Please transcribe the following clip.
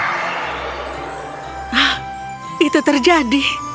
hah itu terjadi